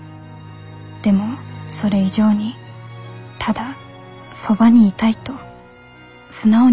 でもそれ以上にただそばにいたいと素直に思えたんです。